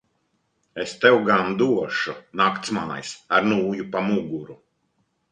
Es tev gan došu naktsmājas ar nūju pa muguru.